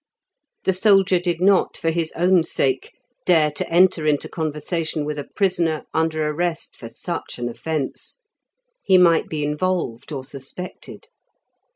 The soldier did not, for his own sake, dare to enter into conversation with a prisoner under arrest for such an offence; he might be involved, or suspected.